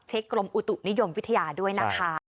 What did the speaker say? กรมอุตุนิยมวิทยาด้วยนะคะ